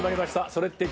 それって！？